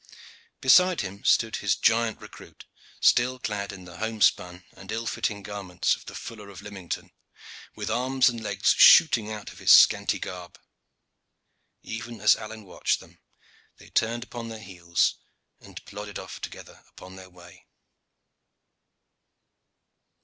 Beside him stood his giant recruit, still clad in the home spun and ill fitting garments of the fuller of Lymington, with arms and legs shooting out of his scanty garb. Even as Alleyne watched them they turned upon their heels and plodded off together upon their way.